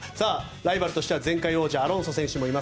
ライバルとしては前回王者アロンソ選手もいます。